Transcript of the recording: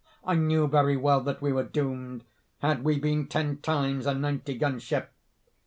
I knew very well that we were doomed, had we been ten times a ninety gun ship.